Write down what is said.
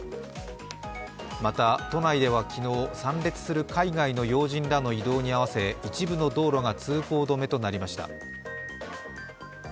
また、都内では昨日、参列する海外の要人らの移動に合わせて一部の道路が通行止めとなりました。